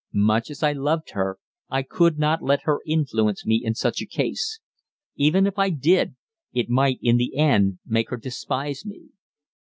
Much as I loved her, I could not let her influence me in such a case; even if I did, it might in the end make her despise me.